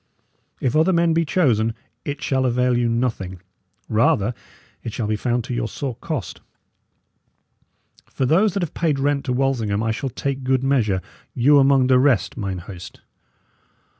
If other men be chosen, it shall avail you nothing; rather it shall be found to your sore cost. For those that have paid rent to Walsingham I shall take good measure you among the rest, mine host."